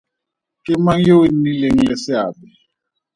Ke mang yo o nnileng le seabe?